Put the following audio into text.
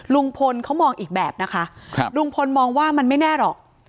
ลุงพลเขามองอีกแบบนะคะลุงพลมองว่ามันไม่แน่หรอก